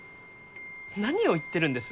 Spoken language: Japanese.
何を言ってるんです？